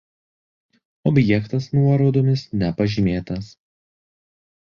Objektas nuorodomis nepažymėtas.